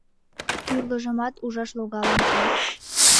— Тӱрлыжымат ужаш логалын чай?